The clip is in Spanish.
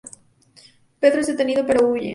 Pedro es detenido, pero huye.